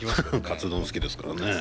カツ丼好きですからね。